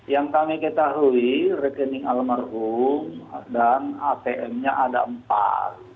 yang kami ketahui rekening almarhum dan atm nya ada empat